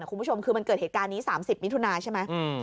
คุณผู้ชมคือมันเกิดเหตุการณ์นี้๓๐มิถุนาใช่ไหม